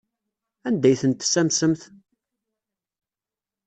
Anda ay ten-tessamsemt?